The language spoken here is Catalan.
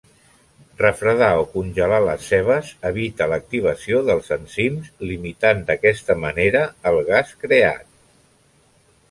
Refredar o congelar les cebes evita l'activació dels enzims limitant d'aquesta manera el gas creat.